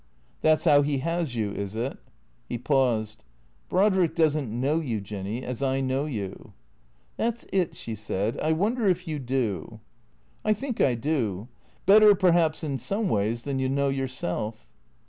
"That's how he has you, is it?" He paused. " Brodrick does n't know you, Jinny, as I know you." " That 's it," she said. " I wonder if you do." " I think I do. Better, perhaps, in some ways, than you know yourself."